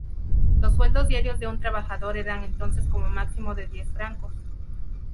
Los sueldos diarios de un trabajador eran entonces como máximo de diez francos!